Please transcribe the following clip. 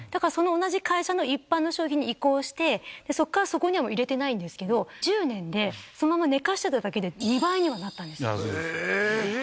その同じ会社の一般の商品に移行して、そこからそこには入れてないんですけど、１０年でそのまま寝かしてだけで、２倍にはなったんです。